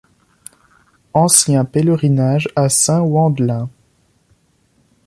Ancien pèlerinage à saint Wendelin.